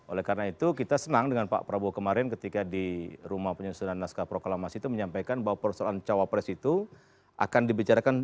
oleh karena itu kita senang dengan pak prabowo kemarin ketika di rumah penyusunan naskah proklamasi itu menyampaikan bahwa persoalan cawapres itu akan dibicarakan